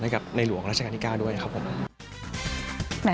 กับในหลวงราชการที่๙ด้วยครับผม